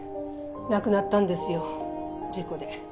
亡くなったんですよ事故で。